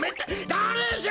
だれじゃ？